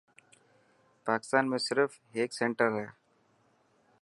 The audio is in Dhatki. پاڪستان ۾ صرف هيڪ سينٽر هي.